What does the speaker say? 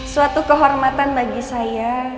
suatu kehormatan bagi saya